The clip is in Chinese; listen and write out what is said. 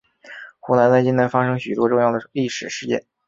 湖南在近代发生许多重要的历史事件。